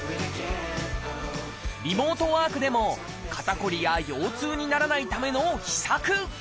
リモートワークでも肩こりや腰痛にならないための秘策。